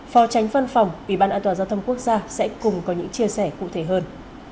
phó tránh văn phòng ủy ban an toàn giao thông quốc gia sẽ cùng có những chia sẻ cụ thể hơn